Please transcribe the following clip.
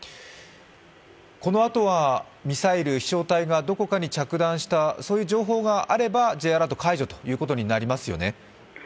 このあとはミサイル飛翔体がどこかに落ちたなどそういう情報があればＪアラート解除ということになりますよね。